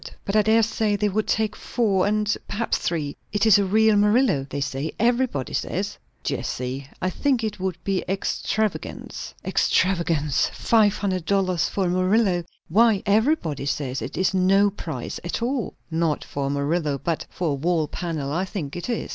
But I dare say they would take four, and perhaps three. It is a real Murillo, they say. Everybody says." "Jessie, I think it would be extravagance." "Extravagance! Five hundred dollars for a Murillo! Why, everybody says it is no price at all." "Not for the Murillo; but for a wall panel, I think it is.